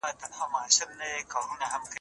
تاسو په ښه خلکو کي د چا خبره منئ؟